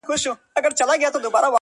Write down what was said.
پر سر وا مي ړوه یو مي سه تر سونډو,